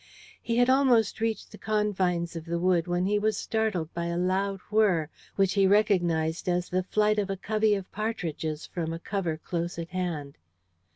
He had almost reached the confines of the wood when he was startled by a loud whirr, which he recognized as the flight of a covey of partridges from a cover close at hand.